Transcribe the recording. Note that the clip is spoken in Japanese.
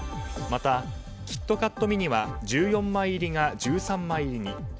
また、「キットカットミニ」は１４枚入りが１３枚入りに。